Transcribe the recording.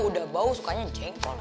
udah bau sukanya jengkol